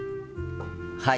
はい。